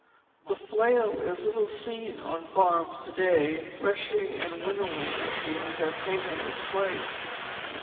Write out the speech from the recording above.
The flail is little seen on farms to day. Threshing and winnowing machines have taken its place.